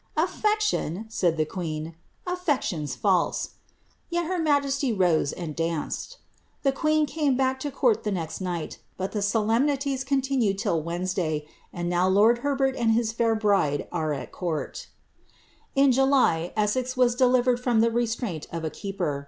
^ Affection P said the queen; ^aflection's false;' yet her majesty rose and danced. The queen came back to court the next night ; but the solemnities continued till Wed nesday ; and now lord Herbert and his fair bride are at court'' ' In July^ Essex was delivered from the restraint of a keeper.